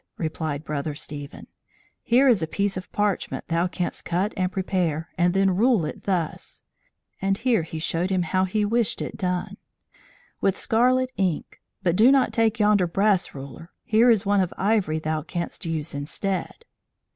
replied Brother Stephen. "Here is a piece of parchment thou canst cut and prepare, and then rule it, thus" (and here he showed him how he wished it done), "with scarlet ink. But do not take yonder brass ruler! Here is one of ivory thou canst use instead."